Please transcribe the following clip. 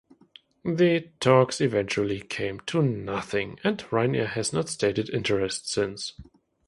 The talks eventually came to nothing and Ryanair has not stated interest since.